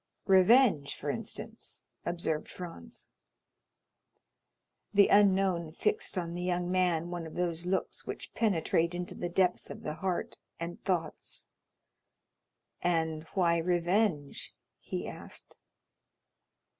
"Revenge, for instance!" observed Franz. The unknown fixed on the young man one of those looks which penetrate into the depth of the heart and thoughts. "And why revenge?" he asked.